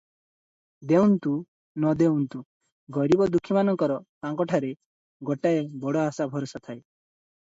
ଦେଉନ୍ତୁ ନ ଦେଉନ୍ତୁ, ଗରିବ ଦୁଃଖୀମାନଙ୍କର ତାଙ୍କଠାରେ ଗୋଟାଏ ବଡ଼ ଆଶା ଭରସା ଥାଏ ।